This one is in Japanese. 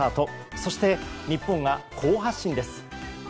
そして、日本が好発進です。